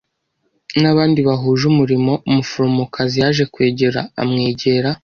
n’abandi bahuje umurimo, umuforomokazi yaje kwegera amwegera